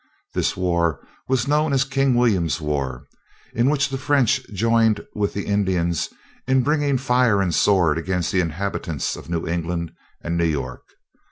This war was known as King William's war, in which the French joined with the Indians in bringing fire and sword upon the inhabitants of New England and New York.